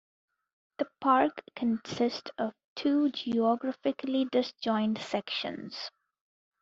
The park consists of two geographically disjoint sections.